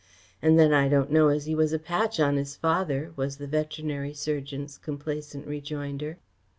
"And then I don't know as he was a patch on his father," was the veterinary surgeon's complacent rejoinder.